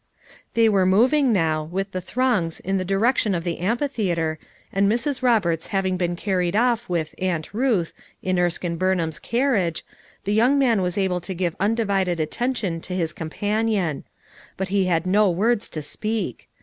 . They were moving now, with the throngs in the direction of the amphitheater, and Mrs. Roberts having been carried off with "Aunt Ruth" in Erskine Burnham's carriage, the young man was able to give undivided atten tion to his companion ; but he had no words to speak.